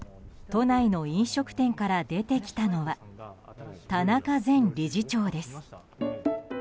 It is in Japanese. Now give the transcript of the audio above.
都内の飲食店から出てきたのは田中前理事長です。